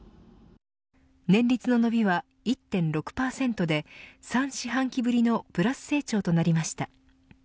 年率の伸びは１．６％で３四半期ぶりのプラス成長となりました。